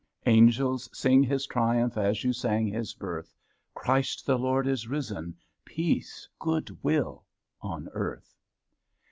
Angels, sing His triumph As you sang His birth, "Christ the Lord is risen, Peace, good will on earth."